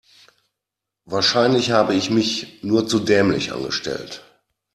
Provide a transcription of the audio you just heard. Wahrscheinlich habe ich mich nur zu dämlich angestellt.